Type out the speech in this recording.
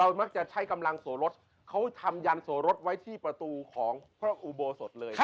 มักจะใช้กำลังโสรสเขาทำยันโสรสไว้ที่ประตูของพระอุโบสถเลย